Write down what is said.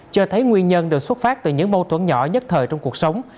cho thấy nguyên nhân được xuất phát từ những mâu thuẫn nhỏ nhất thời trong cuộc sống